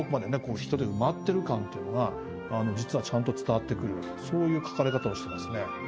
感っていうのが実はちゃんと伝わってくるそういう描かれ方をしてますね。